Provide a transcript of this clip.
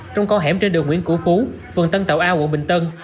trong con hẻm trên đường nguyễn cửu phú phường tân tàu a quận bình tân